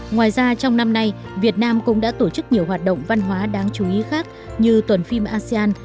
ngoài ra trong năm nay việt nam cũng đã tổ chức nhiều hoạt động văn hóa đáng chú ý khác như tuần phim asean